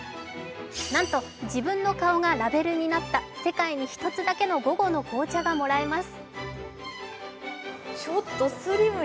なんと、自分の顔がラベルになった世界に一つだけの午後の紅茶がもらえます。